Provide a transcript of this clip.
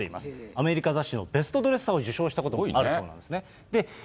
アメリカ雑誌のベストドレッサー賞を受賞したこともあるそうなんですね。